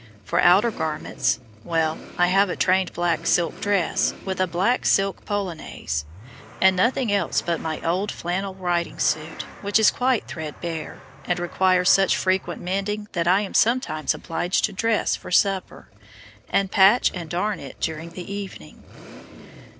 For outer garments well, I have a trained black silk dress, with a black silk polonaise! and nothing else but my old flannel riding suit, which is quite threadbare, and requires such frequent mending that I am sometimes obliged to "dress" for supper, and patch and darn it during the evening.